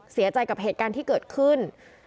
เสียใจกับเหตุการณ์ที่เกิดขึ้น